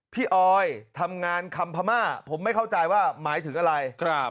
ออยทำงานคำพม่าผมไม่เข้าใจว่าหมายถึงอะไร